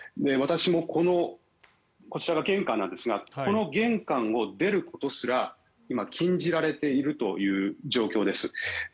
私も、こちらが玄関なんですがこの玄関を出ることすら今、禁じられているという状況です。